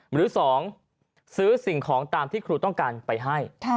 หรือ๒ซื้อสิ่งของตามที่ครูต้องการไปให้